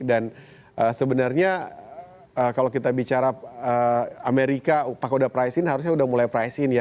dan sebenarnya kalau kita bicara amerika kalau sudah price in harusnya sudah mulai price in ya